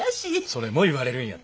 それも言われるんやって。